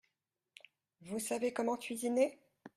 Vous savez comment cuisiner ?